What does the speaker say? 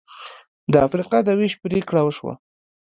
د افریقا د وېش پرېکړه وشوه.